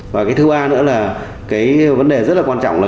và cái thứ ba nữa là cái vấn đề rất là quan trọng là